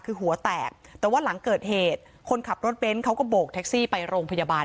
คือหัวแตกแต่ว่าหลังเกิดเหตุคนขับรถเบนท์เขาก็โบกแท็กซี่ไปโรงพยาบาล